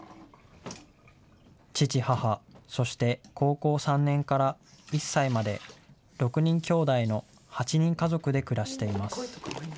父、母、そして高校３年から１歳まで、６人きょうだいの８人家族で暮らしています。